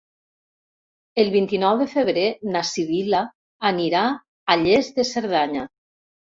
El vint-i-nou de febrer na Sibil·la anirà a Lles de Cerdanya.